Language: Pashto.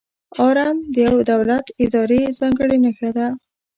آرم د یو دولت، ادارې ځانګړې نښه ده.